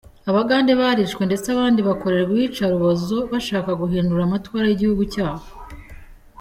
Abagande barishwe ndetse abandi bakorerwa iyica rubozo bashaka guhindura amatwara mu gihugu cyabo.